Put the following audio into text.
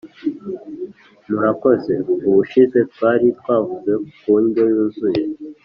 murakoze. ubushize twari twavuze ku ndyo yuzuye.